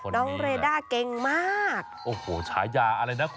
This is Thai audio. น้องเรด้าเก่งมากขุนอ้วนโอ้โหใช้ยาอะไรนะ